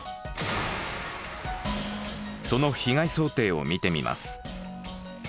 その被害想定を見てみます。